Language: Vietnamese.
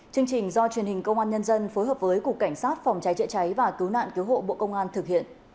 chương trình do truyền hình công an nhân dân phối hợp với cục cảnh sát phòng cháy chữa cháy và cứu nạn cứu hộ bộ công an thực hiện